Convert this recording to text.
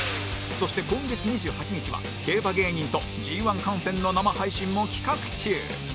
そして今月２８日は競馬芸人と ＧⅠ 観戦の生配信も企画中